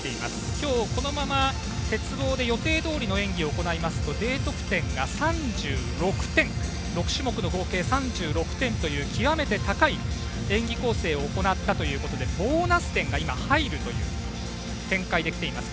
今日このまま鉄棒で予定どおりの演技を行いますとＤ得点、６種目の合計が３６点という極めて高い演技構成を行ったということでボーナス点が入るという展開できています。